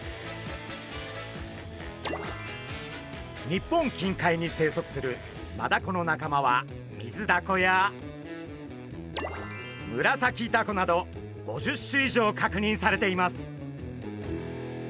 日本近海に生息するマダコの仲間はミズダコやムラサキダコなど５０種以上確認されています。